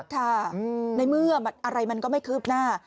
ค่ะในเมื่ออะไรมันก็ไม่คืบหน้า